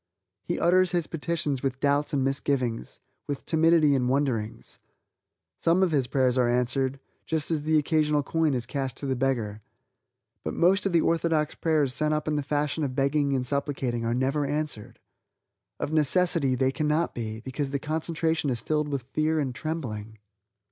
He utters his petitions with doubts and misgivings, with timidity and wonderings. Some of his prayers are answered just as the occasional coin is cast to the beggar. But most of the orthodox prayers sent up in the fashion of begging and supplicating are never answered. Of necessity, they cannot be, because the concentration is filled with fear and trembling.